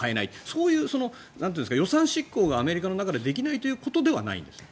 そういう予算執行がアメリカの中でできないということではないんですか？